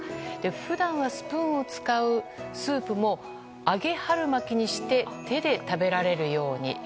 普段はスプーンを使うスープも揚げ春巻きにして手で食べられるように。